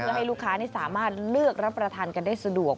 เพื่อให้ลูกค้าสามารถเลือกรับประทานกันได้สะดวก